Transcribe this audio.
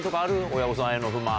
親御さんへの不満。